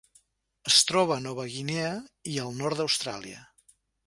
Es troba a Nova Guinea i al nord d'Austràlia.